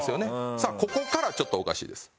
さあここからちょっとおかしいです。